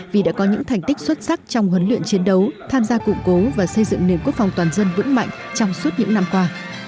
vì đã có những thành tích xuất sắc trong huấn luyện chiến đấu tham gia cụng cố và xây dựng nền quốc phòng toàn dân vững mạnh trong suốt những năm qua